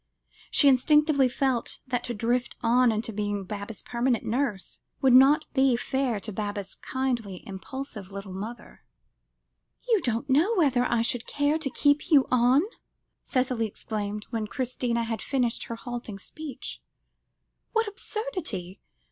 She instinctively felt that to drift on into being Baba's permanent nurse, would not be fair to Baba's kindly, impulsive little mother. "You don't know whether I should care to keep you on!" Cicely exclaimed, when Christina had finished her halting speech; "what absurdity!